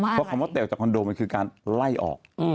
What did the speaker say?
เพราะคำว่าเตลจากคอนโดมันคือการไล่ออก